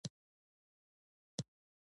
هر رقم بلاګان را پیدا شول.